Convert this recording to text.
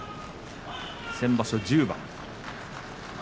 先場所１０番。